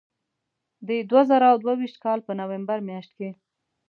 د دوه زره دوه ویشت کال په نومبر میاشت کې.